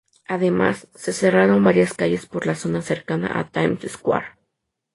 Además se cerraron varias calles por la zona, cercana a Times Square.